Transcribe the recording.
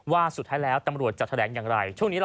ว่าสุดท้ายแล้วตำรวจจะแถลงอย่างไร